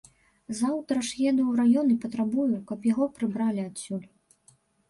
Заўтра ж еду ў раён і патрабую, каб яго прыбралі адсюль.